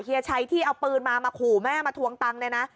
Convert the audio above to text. ชัยที่เอาปืนมามาขู่แม่มาทวงตังค์เนี่ยนะ